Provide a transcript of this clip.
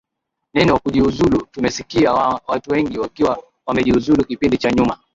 neno kujiuzulu tumesikia watu wengi wakiwa wamejiuzulu kipindi cha nyuma